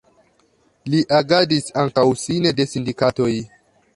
Li agadis ankaŭ sine de sindikatoj.